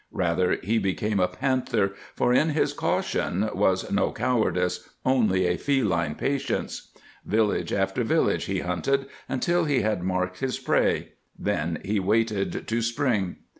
Rather he became a panther, for in his caution was no cowardice, only a feline patience. Village after village he hunted until he had marked his prey. Then he waited to spring.